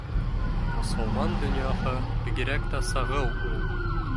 Мосолман донъяһы бигерәк тә сағыу ул